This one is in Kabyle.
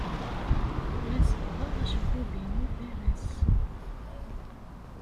La sebbɣeɣ acebbub-inu d aras.